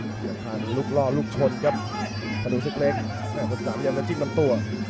กับห้านลูกล่อลูกชนครับธนูสึกเล็กแห่งผู้จำยังจะจิ้มตำตัว